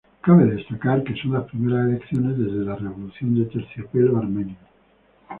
Cabe destacar que son las primeras elecciones desde la revolución de terciopelo armenio.